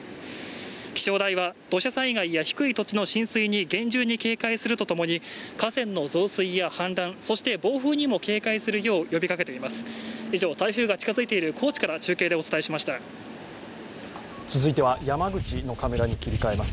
気象台は土砂災害や低い土地の浸水に厳重に警戒するとともに河川の増水や氾濫、暴風にも警戒するよう呼びかけています。